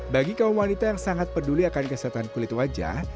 bagi kaum wanita yang sangat peduli akan kesehatan kulit wajah